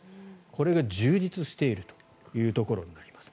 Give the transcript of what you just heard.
これが充実しているというところになります。